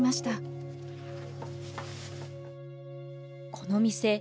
この店。